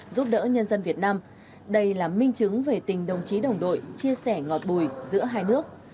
giúp đỡ nhân dân việt nam đây là minh chứng về tình đồng chí đồng đội chia sẻ ngọt bùi giữa hai nước